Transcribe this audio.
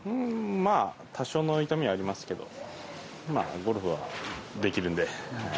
多少の痛みはありますけどゴルフはできるので。